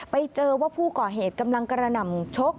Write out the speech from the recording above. ไปเจอว่าผู้ก่อเหตุกำลังกระหน่ำชก